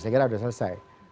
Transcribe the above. saya kira sudah selesai